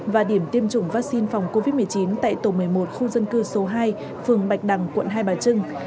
và điểm tiêm chủng vaccine phòng covid một mươi chín tại tổ một mươi một khu dân cư số hai phường bạch đằng quận hai bà trưng